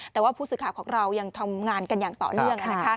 แต่ว่าผู้ศึกษาของเรายังทำงานกันอย่างต่อเนื่องนะคะ